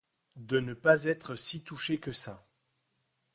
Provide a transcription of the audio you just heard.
De ne pas être si touchés que ça.